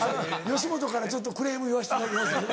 吉本からちょっとクレーム言わせていただきますんでね。